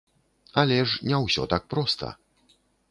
Але ж не ўсё так проста.